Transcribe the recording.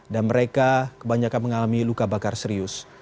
dan mereka kebanyakan mengalami luka bakar serius